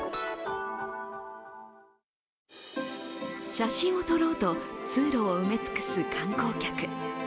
写真を撮ろうと通路を埋め尽くす観光客。